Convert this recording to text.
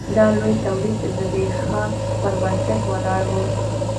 دا لوی تولید د ځبېښاک پر بنسټ ولاړ و.